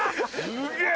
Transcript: すげえ！